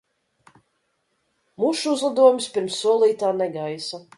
Mušu uzlidojums pirms solītā negaisa.